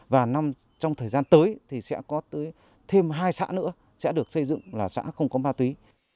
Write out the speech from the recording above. và trong thời gian tới thì sẽ có tới thêm hai xã nữa sẽ được xây dựng là xã không có ma túy